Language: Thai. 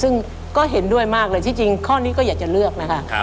ซึ่งก็เห็นด้วยมากเลยที่จริงข้อนี้ก็อยากจะเลือกนะคะ